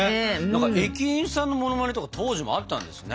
駅員さんのモノマネとか当時もあったんですね。